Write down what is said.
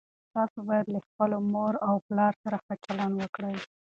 تاسو باید له خپلو مور او پلار سره ښه چلند وکړئ.